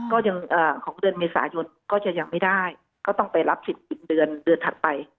ของเดือนเมษายนก็จะยังไม่ได้ก็ต้องไปรับสิทธิ์อีกเดือนเดือนถัดไป